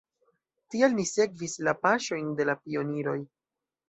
Tial ni sekvis la paŝojn de la pioniroj!